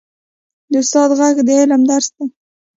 د استاد ږغ د علم درس دی.